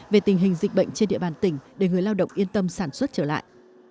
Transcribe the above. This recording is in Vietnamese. về tình hình dịch bệnh trên địa bàn tỉnh để người lao động yên tâm sản xuất trở lại